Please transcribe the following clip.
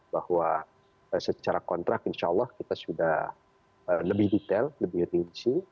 bahwa secara kontrak insyaallah kita sudah lebih detail lebih rinci